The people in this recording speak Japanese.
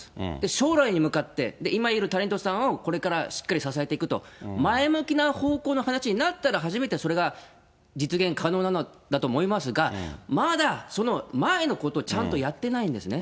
将来に向かって、今いるタレントさんをこれからしっかり支えていくと、前向きな方向の話になったら、初めてそれが実現可能なのだと思いますが、まだその前のことをちゃんとやってないんですね。